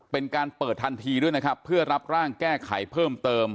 เป็นการเปิดทันทีด้วยนะครับเพื่อรับร่างแก้ไขเพิ่มเติม